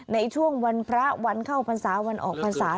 ในช่วงวันพระวันเข้าพรรษาวันออกพรรษา